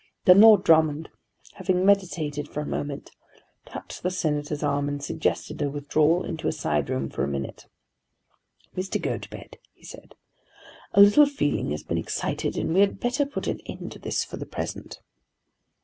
Then Lord Drummond having meditated for a moment, touched the Senator's arm and suggested a withdrawal into a side room for a minute. "Mr. Gotobed," he said, "a little feeling has been excited and we had better put an end to this for the present."